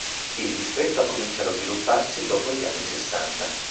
Il distretto ha cominciato a svilupparsi dopo gli anni sessanta.